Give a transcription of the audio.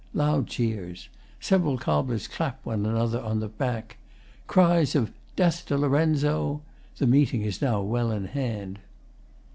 [Loud cheers. Several cobblers clap one another on the back. Cries of 'Death to Lorenzo!' The meeting is now well in hand.